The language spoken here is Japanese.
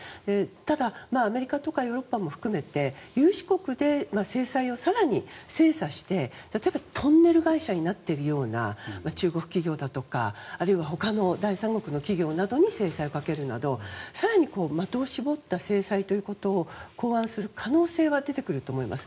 ただ、アメリカとかヨーロッパも含めて有志国で制裁を更に精査して例えばトンネル会社になっているような中国企業だとか、あるいは他の第三国の企業などに制裁をかけるなど更に的を絞った制裁ということを考案する可能性は出てくると思います。